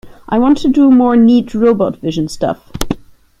I want to do more neat robot vision stuff.